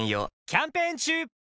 キャンペーン中！